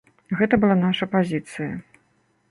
Гэта была наша пазіцыя.